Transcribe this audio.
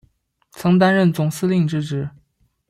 曾担任总司令之职。